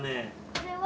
これは。